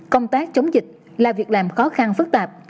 công tác chống dịch là việc làm khó khăn phức tạp